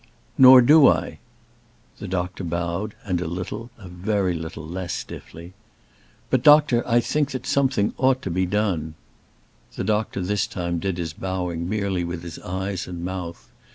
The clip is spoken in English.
"Nor do I." The doctor bowed, and a little, a very little less stiffly. "But, doctor, I think that something ought to be done." The doctor this time did his bowing merely with his eyes and mouth.